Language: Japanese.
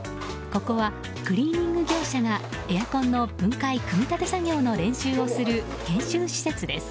ここはクリーニング業者がエアコンの分解・組み立て作業の練習をする研修施設です。